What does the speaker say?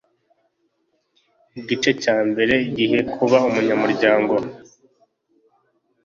Igice cya mbere Igihe kuba umunyamuryango